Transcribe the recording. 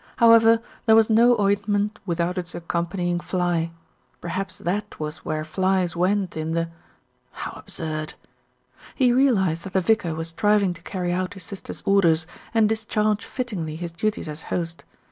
However, there was no oint ment without its accompanying fly perhaps that was where flies went in the how absurd! He realised that the vicar was striving to carry out his sister's orders, and discharge fittingly his duties as host.